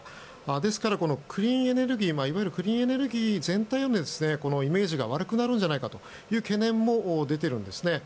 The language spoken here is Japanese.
ですから、いわゆるクリーンエネルギー全体のイメージが悪くなるんじゃないかという懸念も出てるんですね。